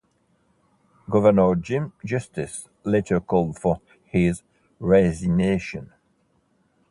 Governor Jim Justice later called for his resignation.